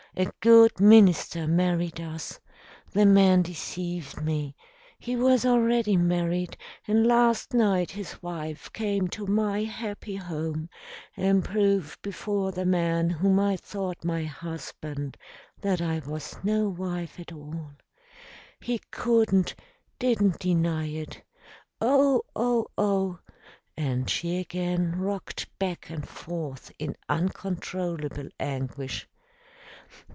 A good minister married us. The man deceived me. He was already married, and last night his wife came to my happy home and proved before the man whom I thought my husband that I was no wife at all. He couldn't, didn't deny it. Oh! Oh! Oh!" And she again rocked back and forth in uncontrollable anguish.